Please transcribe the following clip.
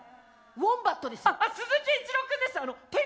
ウォンバットです。